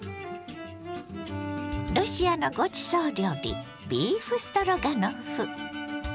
ロシアのごちそう料理ビーフストロガノフ。